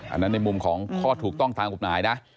อันนั้นในมุมของข้อถูกต้องตามกฎหมายนะ